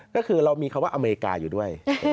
ก็คือเรามีคำว่าอเมริกาอยู่ด้วย